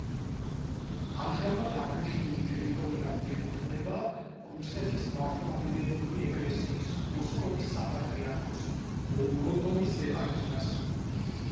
ამჟამად აღნიშნული ტერიტორია მიეკუთვნება რუსეთის მართლმადიდებელი ეკლესიის მოსკოვის საპატრიარქოს ვოლგოდონის ეპარქიას.